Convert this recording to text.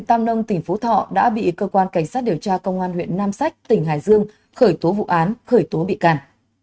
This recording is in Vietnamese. tạm nâng tỉnh phú thọ đã bị cơ quan cảnh sát điều tra công an huyện nam sách tỉnh hải dương khởi tố vụ án khởi tố bị càn